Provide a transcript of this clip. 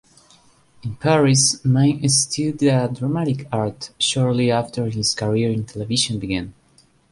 In Paris, Minne studied the dramatic arts, shortly after his career in television began.